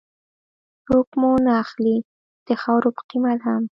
څوک مو نه اخلي د خاورو په قيمت هم